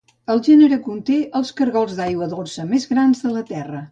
El gènere conté els caragols d'aigua dolça més grans de la terra.